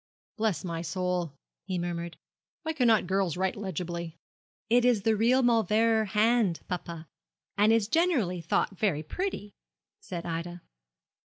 'Bless my soul,' he murmured, 'why cannot girls write legibly?' 'It is the real Mauleverer hand, papa, and is generally thought very pretty,' said Ida.